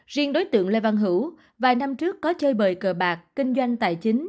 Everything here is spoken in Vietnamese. riêng đối tượng lê văn hữu vài năm trước có chơi bời cờ bạc kinh doanh tài chính